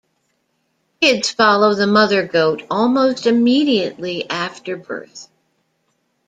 Kids can follow the mother goat almost immediately after birth.